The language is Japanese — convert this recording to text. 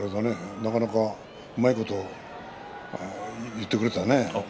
なかなかうまいこと言ってくれたね